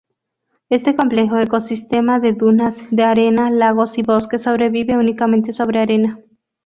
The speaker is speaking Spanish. Este complejo ecosistema de dunas de arena, lagos, y bosques sobrevive únicamente sobre arena.